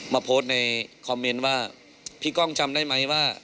มาโพสต์ในคอมเมนต์ว่าพี่ก้องจำได้ไหมว่า